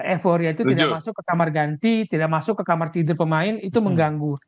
euforia itu tidak masuk ke kamar ganti tidak masuk ke kamar tidur pemain itu mengganggu